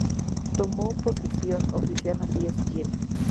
Tomó posesión oficial al día siguiente.